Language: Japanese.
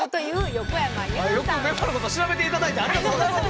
よくメンバーのことを調べて頂いてありがとうございます。